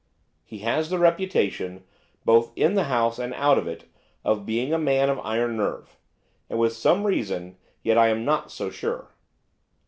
He has the reputation, both in the House and out of it, of being a man of iron nerve, and with some reason; yet I am not so sure.